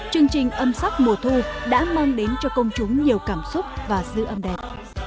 chương trình âm sắc mùa thu đã mang đến cho công chúng nhiều cảm xúc và giữ âm đẹp